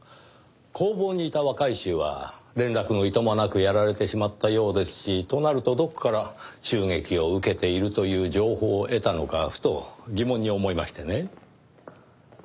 工房にいた若い衆は連絡のいとまなくやられてしまったようですしとなるとどこから襲撃を受けているという情報を得たのかふと疑問に思いましてね。